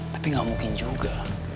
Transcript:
tapi gak mungkin juga